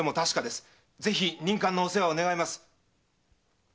ぜひ任官のお世話を願います！